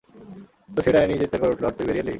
তো সেই ডাইনি চিৎকার করে উঠল, আর তুই বেরিয়ে এলি?